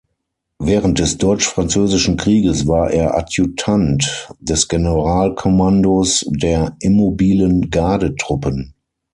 Während des Deutsch-Französischen Krieges war er Adjutant des Generalkommandos der immobilen Gardetruppen.